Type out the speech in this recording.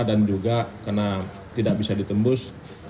dan juga karena tidak bisa ditembus